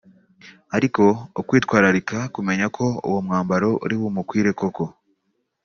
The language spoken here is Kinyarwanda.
ariko ukitwararika kumenya ko uwo mwambaro uri bumukwire koko